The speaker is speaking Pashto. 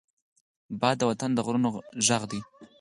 باد د وطن د غرونو غږ دی